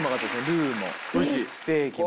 ルーもステーキも。